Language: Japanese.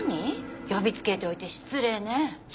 呼びつけておいて失礼ね。